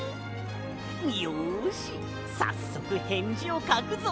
よしさっそくへんじをかくぞ！